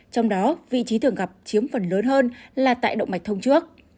trong đó vị trí thường gặp chiếm phần lớn hơn là tại động mạch thông trước